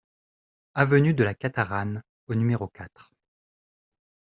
Avenue de la Cantaranne au numéro quatre